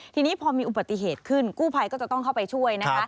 ทีนี้พอมีอุบัติเหตุขึ้นกู้ภัยก็จะต้องเข้าไปช่วยนะคะ